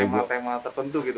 tema tema tertentu gitu